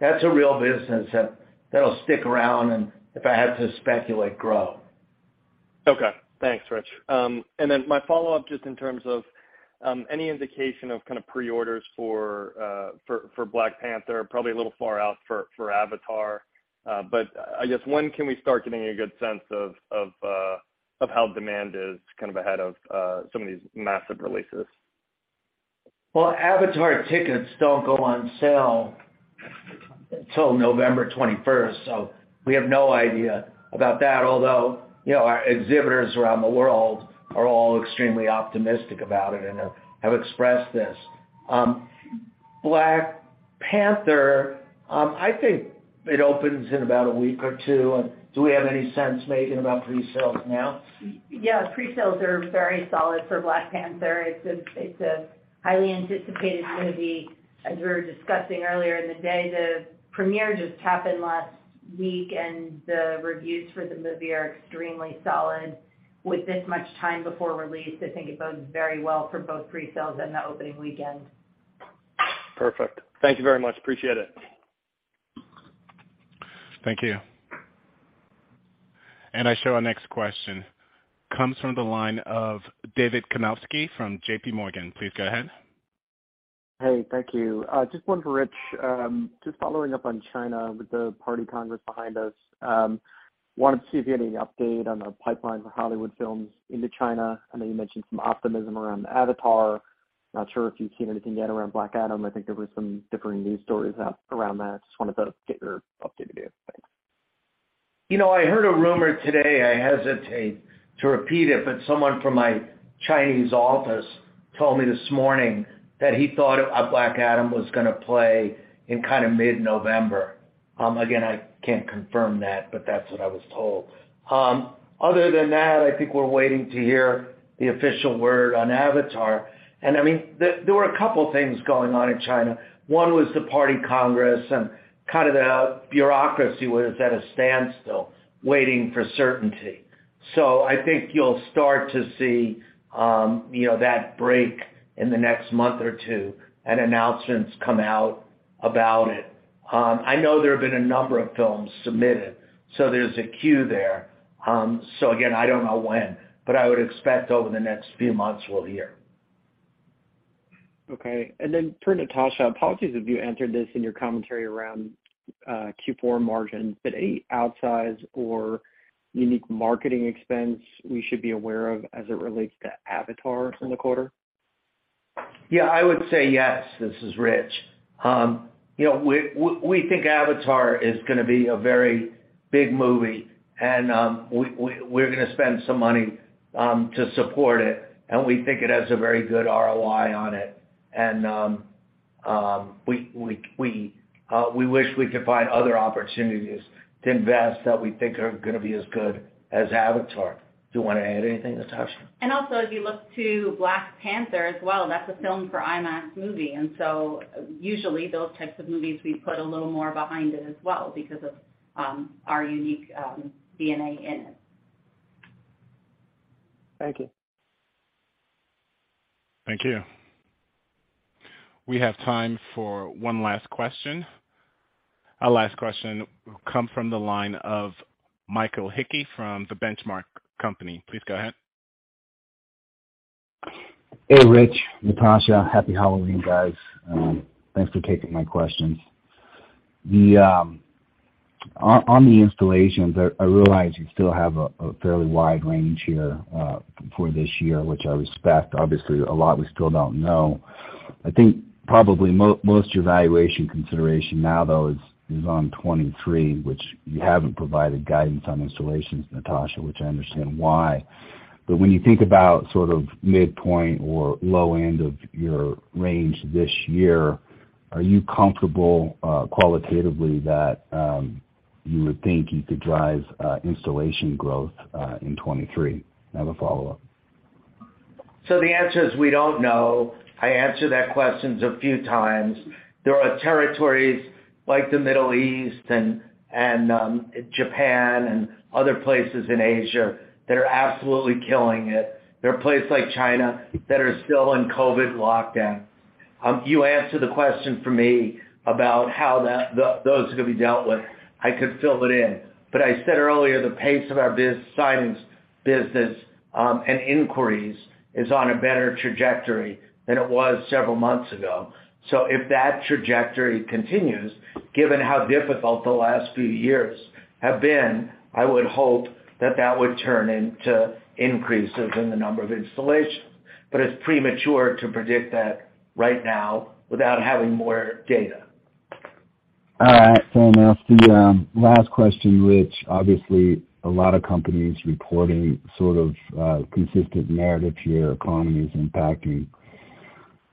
that's a real business and that'll stick around, and if I had to speculate, grow. Okay. Thanks, Rich. My follow-up, just in terms of any indication of kind of pre-orders for Black Panther, probably a little far out for Avatar. I guess when can we start getting a good sense of how demand is kind of ahead of some of these massive releases? Well, Avatar tickets don't go on sale until November 21st, so we have no idea about that. Although, you know, our exhibitors around the world are all extremely optimistic about it and have expressed this. Black Panther, I think it opens in about a week or two. Do we have any sense, Megan, about pre-sales now? Yeah, pre-sales are very solid for Black Panther. It's a highly anticipated movie. As we were discussing earlier in the day, the premiere just happened last week and the reviews for the movie are extremely solid. With this much time before release, I think it bodes very well for both pre-sales and the opening weekend. Perfect. Thank you very much. Appreciate it. Thank you. Our next question comes from the line of David Karnovsky from J.P. Morgan. Please go ahead. Hey, thank you. Just one for Rich. Just following up on China with the Party Congress behind us. Wanted to see if you had any update on the pipeline for Hollywood films into China. I know you mentioned some optimism around Avatar. Not sure if you've seen anything yet around Black Adam. I think there was some differing news stories out around that. Just wanted to get your update with you. Thanks. You know, I heard a rumor today. I hesitate to repeat it, but someone from my Chinese office told me this morning that he thought Black Adam was gonna play in kinda mid-November. Again, I can't confirm that, but that's what I was told. Other than that, I think we're waiting to hear the official word on Avatar. I mean, there were a couple things going on in China. One was the Party Congress and kind of the bureaucracy was at a standstill, waiting for certainty. I think you'll start to see you know that break in the next month or two, and announcements come out about it. I know there have been a number of films submitted, so there's a queue there. Again, I don't know when, but I would expect over the next few months we'll hear. Okay. For Natasha, apologies if you answered this in your commentary around Q4 margin. Any outsize or unique marketing expense we should be aware of as it relates to Avatar in the quarter? Yeah, I would say yes. This is Rich. You know, we think Avatar is gonna be a very big movie and we're gonna spend some money to support it, and we think it has a very good ROI on it. We wish we could find other opportunities to invest that we think are gonna be as good as Avatar. Do you wanna add anything, Natasha? Also, if you look to Black Panther as well, that's a Filmed For IMAX movie. Usually those types of movies we put a little more behind it as well because of our unique DNA in it. Thank you. Thank you. We have time for one last question. Our last question will come from the line of Michael Hickey from The Benchmark Company. Please go ahead. Hey, Rich, Natasha. Happy Halloween, guys. Thanks for taking my questions. On the installations, I realize you still have a fairly wide range here for this year, which I respect. Obviously, a lot we still don't know. I think probably most of your valuation consideration now though is on 2023, which you haven't provided guidance on installations, Natasha, which I understand why. When you think about sort of midpoint or low end of your range this year, are you comfortable qualitatively that you would think you could drive installation growth in 2023? I have a follow-up. The answer is we don't know. I answered that question a few times. There are territories like the Middle East and Japan and other places in Asia that are absolutely killing it. There are places like China that are still in COVID lockdown. You answered the question for me about how those are gonna be dealt with. I could fill it in. I said earlier, the pace of our business and inquiries is on a better trajectory than it was several months ago. If that trajectory continues, given how difficult the last few years have been, I would hope that would turn into increases in the number of installations. It's premature to predict that right now without having more data. All right. I'll ask the last question, Rich. Obviously, a lot of companies reporting sort of consistent narrative that the economy is impacting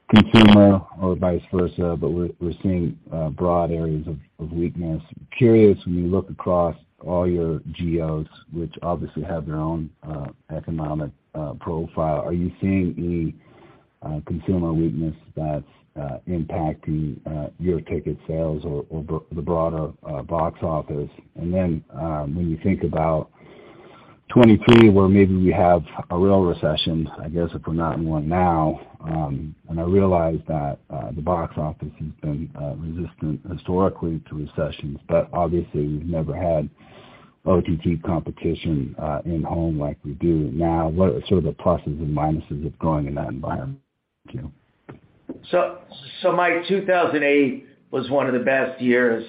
consumer or vice versa, but we're seeing broad areas of weakness. Curious, when you look across all your geos, which obviously have their own economic profile, are you seeing any consumer weakness that's impacting your ticket sales or the broader box office? When you think about 2023, where maybe we have a real recession, I guess, if we're not in one now, I realize that the box office has been resistant historically to recessions, but obviously we've never had OTT competition in home like we do now. What are sort of the pluses and minuses of growing in that environment? Thank you. Mike, 2008 was one of the best years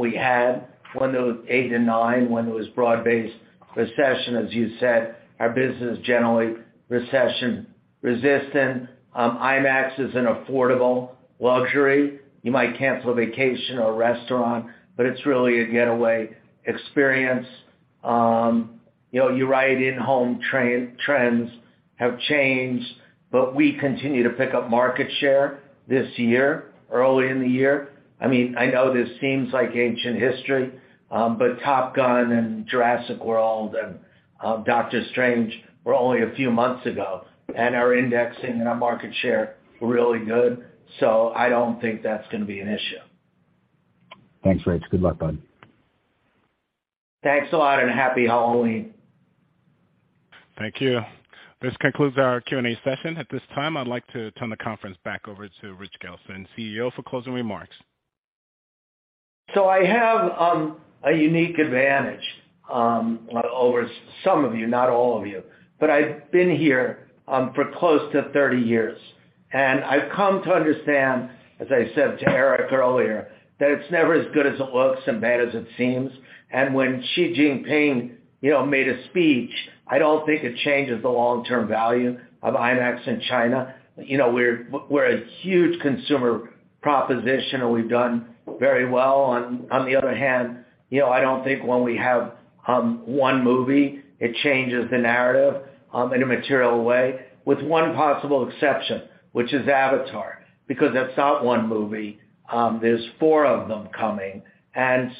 we had. 2008 to 2009, when it was broad-based recession, as you said. Our business is generally recession-resistant. IMAX is an affordable luxury. You might cancel a vacation or a restaurant, but it's really a getaway experience. You know, you're right, in-home trends have changed, but we continue to pick up market share this year, early in the year. I mean, I know this seems like ancient history, but Top Gun and Jurassic World and Doctor Strange were only a few months ago, and our indexing and our market share were really good. I don't think that's gonna be an issue. Thanks, Rich. Good luck, bud. Thanks a lot, and Happy Halloween. Thank you. This concludes our Q&A session. At this time, I'd like to turn the conference back over to Rich Gelfond, CEO, for closing remarks. I have a unique advantage over some of you, not all of you, but I've been here for close to 30 years. I've come to understand, as I said to Eric earlier, that it's never as good as it looks and bad as it seems. When Xi Jinping, you know, made a speech, I don't think it changes the long-term value of IMAX in China. You know, we're a huge consumer proposition, and we've done very well. On the other hand, you know, I don't think when we have one movie, it changes the narrative in a material way, with one possible exception, which is Avatar, because that's not one movie, there's four of them coming.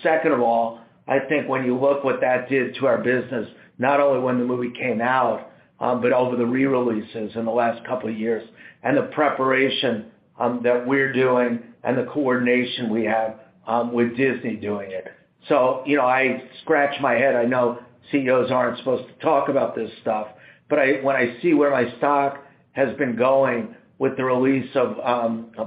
Second of all, I think when you look what that did to our business, not only when the movie came out, but over the re-releases in the last couple years, and the preparation, that we're doing and the coordination we have, with Disney doing it. You know, I scratch my head. I know CEOs aren't supposed to talk about this stuff, but when I see where my stock has been going with the release of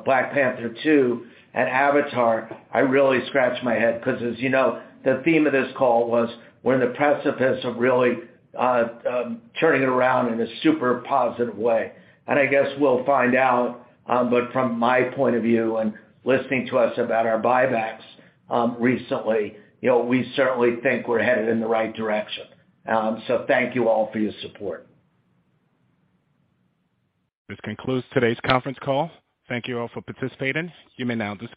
Black Panther Two and Avatar, I really scratch my head, cause as you know, the theme of this call was we're in the precipice of really, turning it around in a super positive way. I guess we'll find out, but from my point of view and listening to us about our buybacks, recently, you know, we certainly think we're headed in the right direction. Thank you all for your support. This concludes today's conference call. Thank you all for participating. You may now disconnect.